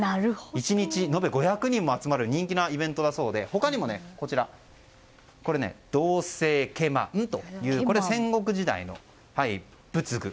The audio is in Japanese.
１日延べ５００人も集まる人気のイベントだそうで他にも銅製けまんという戦国時代の仏具。